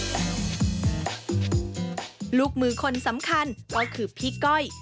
ลูกมือคนสำคัญก็คือพี่ก้อย